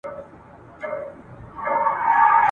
موږ د یوې پرمختللي اسلامي ټولني هیله لرو.